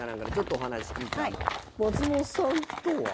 松本さんとは？